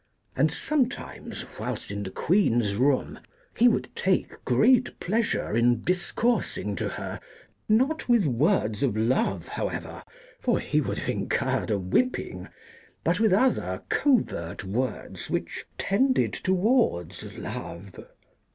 And sometimes, whilst in the Queen's room, he would take great pleasure in discoursing to her, not with words of love however, for he would have incurred a whipping, but with other covert words which tended towards love.